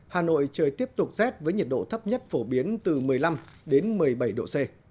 hà nội trời tiếp tục rét với nhiệt độ thấp nhất phổ biến từ một mươi năm đến một mươi bảy độ c